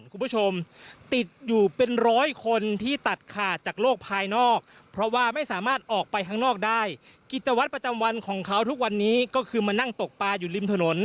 คุณผู้ชมติดอยู่เป็นร้อยคนที่ตัดขาดจากโลกภายนอกเพราะว่าไม่สามารถออกไปข้างนอกได้